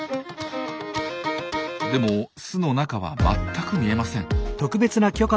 でも巣の中は全く見えません。